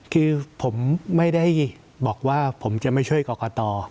คือผมไม่ได้บอกว่าผมจะไม่ช่วยกรกต